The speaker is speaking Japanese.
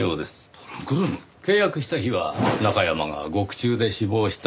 契約した日は中山が獄中で死亡した３日後です。